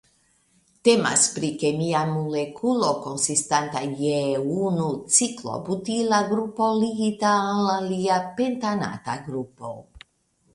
Temas pri kemia molekulo konsistanta je unu ciklobutila grupo ligita al alia pentanata grupo.